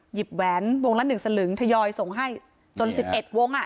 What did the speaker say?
หยิบแหวนวงละหนึ่งสลึงถยอยส่งให้จนสิบเอ็ดวงอ่ะ